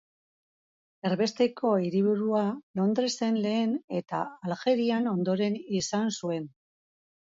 Erbesteko hiriburua Londresen lehen eta Aljerian ondoren izan zuen.